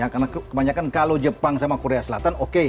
karena kebanyakan kalau jepang sama korea selatan oke